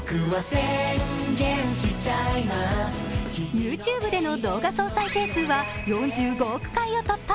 ＹｏｕＴｕｂｅでの動画総再生回数は４５億回を突破。